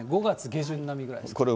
５月下旬並みぐらいです。